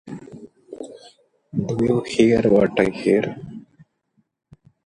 Do You Hear What I Hear?